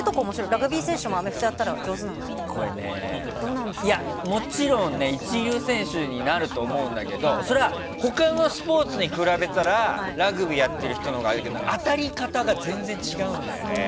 ラグビー選手ももちろん一流選手になると思うんだけどそれは、他のスポーツに比べたらラグビーやってる人のほうがあれだけど当たり方が全然違うんだよね。